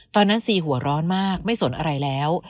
ซีหัวร้อนมากไม่สนอะไรแล้ว